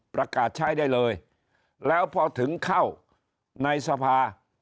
ประกาศใช้ได้เลยแล้วพอถึงเข้าในสภา